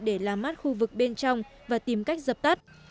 để làm mát khu vực bên trong và tìm cách dập tắt